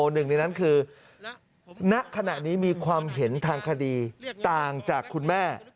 หนึ่งในนั้นคือณขณะนี้มีความเห็นทางคดีต่างจากคุณแม่